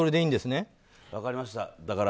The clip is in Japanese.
分かりました。